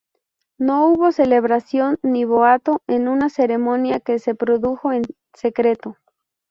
No hubo celebración ni boato en una ceremonia que se produjo en secreto.